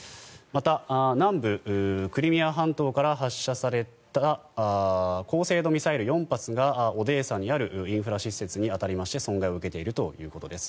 また、南部クリミア半島から発射された高精度ミサイル４発がオデーサにあるインフラ施設に当たりまして損害を受けているということです。